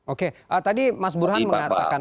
oke tadi mas burhan mengatakan